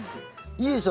いいでしょ。